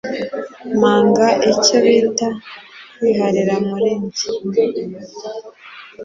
manga icyo bita kwiharira muri nge